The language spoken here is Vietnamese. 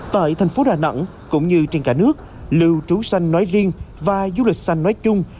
tại thành phố đà nẵng cũng như trên cả nước lưu trú xanh nói riêng và du lịch xanh nói chung